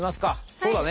そうだね！